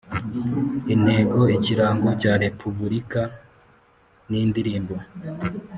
Intego, ikirango cya Repubulika n’indirimbo